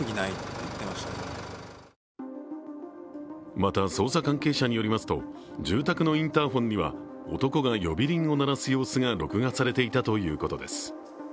また捜査関係者によりますと住宅のインターホンには男が呼び鈴を鳴らす様子が録画されていたということです。